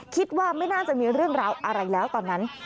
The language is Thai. คิดว่าไม่น่าจะมีเรื่องราวอะไรแล้วตอนนั้น